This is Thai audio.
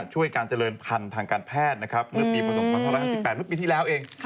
ช่วยการเจริญพันธุ์ทางการแพทย์นะครับเมื่อปีประสงค์ปันธุรกิจ๑๘ปีที่แล้วเอง